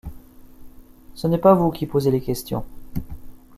Ce n’est pas vous qui posez les questions.